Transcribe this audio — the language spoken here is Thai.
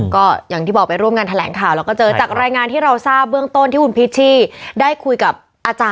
ก็คือจัดการกันค่อนข้างเจ้าเดียวทีเดียว